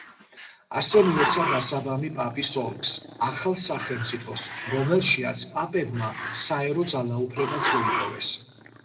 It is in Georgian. ასე მიეცა დასაბამი პაპის ოლქს, ახალ სახელმწიფოს, რომელშიაც პაპებმა საერო ძალაუფლებაც მოიპოვეს.